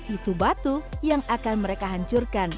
itu batu yang akan mereka hancurkan